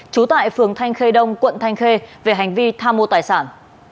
trú tại phường thanh khê đông quận thanh khê về hành vi tha mua tài sản